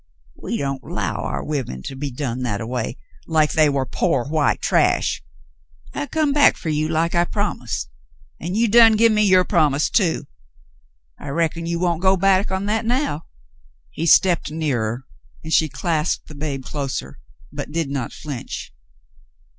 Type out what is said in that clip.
We don't 'low our women to be done that a way, like they war pore white trash. I come back fer you like I promised, an' you done gin me your promise, too. I reckon you w^on't go back on that now." He stepped nearer, and she clasped the babe closer, but did not flinch.